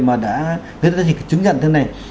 mà đã chứng nhận thế này